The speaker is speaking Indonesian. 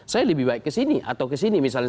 saya lebih baik ke sini atau ke sini misalnya